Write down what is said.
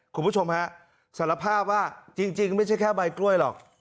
คุณผู้ชมฮะสารภาพว่าจริงไม่ใช่แค่ใบกล้วยหรอก